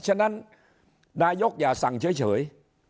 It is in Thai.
ฉะนั้นนายกอย่าสั่งเฉย